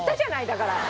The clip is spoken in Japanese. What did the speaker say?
だから。